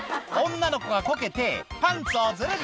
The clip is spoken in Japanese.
女の子がこけて、パンツをずるり。